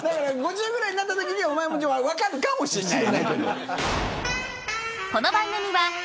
５０ぐらいになったときにお前も分かるかもしれない。